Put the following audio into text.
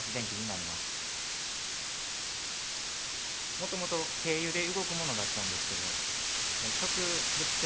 もともと軽油で動くものだったんですけど植物性